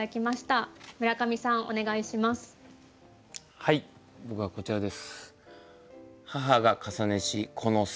はい僕はこちらです。